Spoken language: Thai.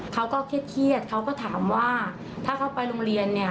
เขาก็เครียดเขาก็ถามว่าถ้าเขาไปโรงเรียนเนี่ย